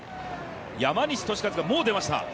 山西利和がもう出ました。